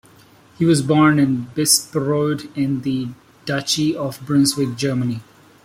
He was born in Bisperode in the Duchy of Brunswick, Germany.